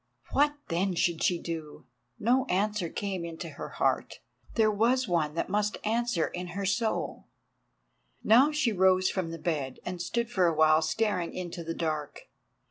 What, then, should she do? No answer came into her heart. There was one that must answer in her soul. Now she rose from the bed and stood for awhile staring into the dark.